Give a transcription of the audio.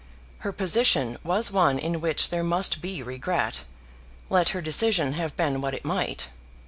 Her position was one in which there must be regret, let her decision have been what it might.